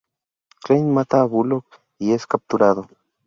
Klein mata a Bullock y es capturado.